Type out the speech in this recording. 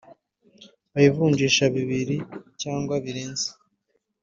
by ivunjisha bibiri cyangwa birenze